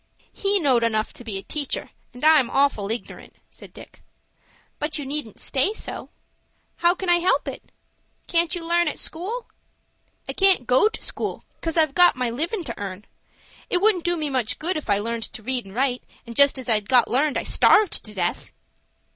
"He knowed enough to be a teacher, and I'm awful ignorant," said Dick. "But you needn't stay so." "How can I help it?" "Can't you learn at school?" "I can't go to school 'cause I've got my livin' to earn. It wouldn't do me much good if I learned to read and write, and just as I'd got learned I starved to death."